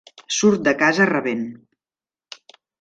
Surt de casa rabent.